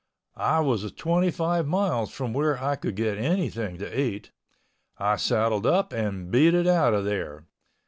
I was twenty five miles from where I could get anything to eat. I saddled up and beat it out of there.